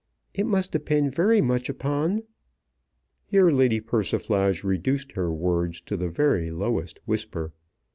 It must depend very much upon ." Here Lady Persiflage reduced her words to the very lowest whisper.